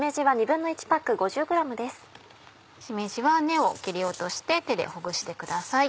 しめじは根を切り落として手でほぐしてください。